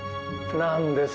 何です？